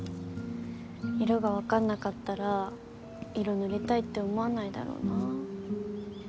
色が分かんなかったら色塗りたいって思わないだろうな。